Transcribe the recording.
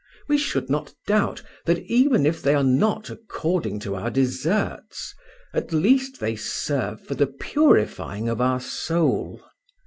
We should not doubt that even if they are not according to our deserts, at least they serve for the purifying of our soul.